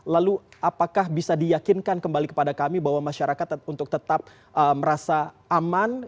lalu apakah bisa diyakinkan kembali kepada kami bahwa masyarakat untuk tetap merasa aman